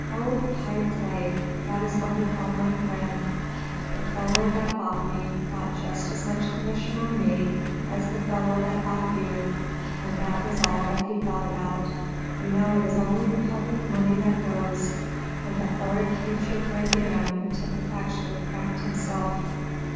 'Old Pipeclay,' that is what he called my friend, 'the fellow that bought me got just as much commission on me as the fellow that bought you, and that was all that he thought about. You know it is only the public money that goes!' And the horrid creature grinned again till he actually cracked himself.